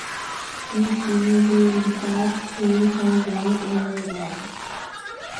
Billings retired to southern Oregon.